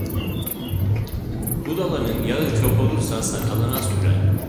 Budalanın yağı çok olursa sakalına sürer.